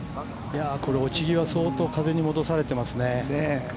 これ落ち際、相当、風に戻されてますね。